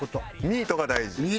ミートが大事。